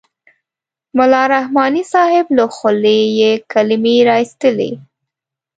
ملا رحماني صاحب له خولې یې کلمې را اېستلې.